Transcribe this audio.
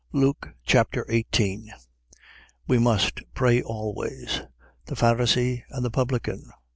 Luke Chapter 18 We must pray always. The Pharisee and the publican.